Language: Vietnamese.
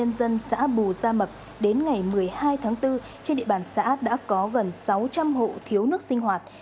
tình trạng của ủy ban nhân dân xã bù gia mập đến ngày một mươi hai tháng bốn trên địa bàn xã đã có gần sáu trăm linh hộ thiếu nước sinh hoạt